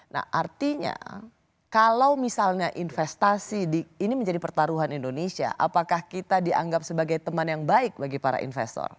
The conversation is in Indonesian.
nah artinya kalau misalnya investasi ini menjadi pertaruhan indonesia apakah kita dianggap sebagai teman yang baik bagi para investor